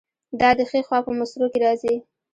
دا د ښي خوا په مصرو کې راځي.